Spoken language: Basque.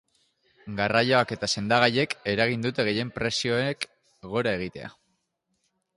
Garraioak eta sendagaiek eragin dute gehien prezioek gora egitea.